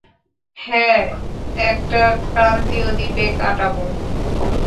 হ্যাঁ, একটা ক্রান্তীয় দ্বীপে কাটাবো।